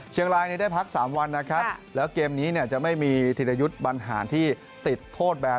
เชียงรายได้พัก๓วันนะครับแล้วเกมนี้จะไม่มีทินยุทธ์บัญหาที่ติดโทษแบน